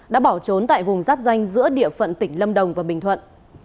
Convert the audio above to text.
đã bỏ trốn tại vùng giáp danh giữa địa phận tỉnh lâm đồng và bình thuận